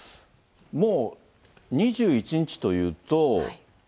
もう２１日というと。